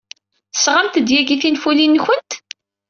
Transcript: Tesɣamt-d yagi tinfulin-nwent?